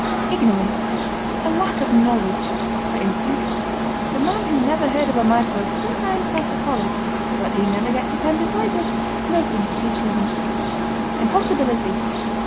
IGNORANCE. A lack of knowledge. For instance: The man who never heard of a microbe sometimes has the colic, but he never gets appendicitis. (Milton, page 7.) IMPOSSIBILITY.